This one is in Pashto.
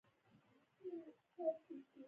ایا زه باید اچار وخورم؟